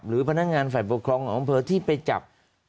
หรือพนักงานฝ่ายปกครองหวังเผอที่ไปจับ